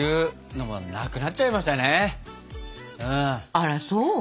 あらそう？